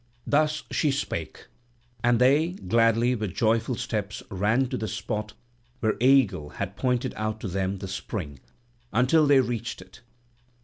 Thus she spake; and they gladly with joyful steps ran to the spot where Aegle had pointed out to them the spring, until they reached it.